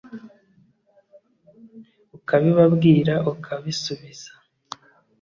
ukabibabwira ukabisubiza